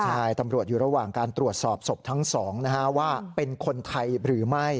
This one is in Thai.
ใช่ตำรวจอยู่ระหว่างการตรวจสอบศพทั้งสองนะฮะว่าเป็นคนไทยหรือไม่